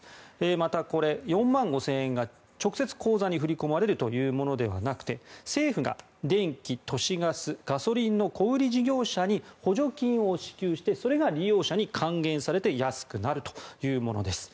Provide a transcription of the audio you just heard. また、４万５０００円が直接、口座に振り込まれるというものではなくて政府が電気・都市ガスガソリンの小売事業者に補助金を支給してそれが利用者に還元されて安くなるというものです。